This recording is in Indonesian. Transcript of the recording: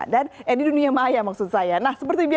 dan eh di dunia maya maksud saya